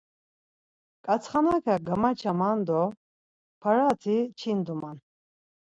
Ǩantsxanaǩa gamaçaman do parati ç̌induman.